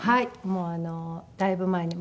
もうだいぶ前に。